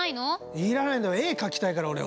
要らないの絵描きたいから俺は。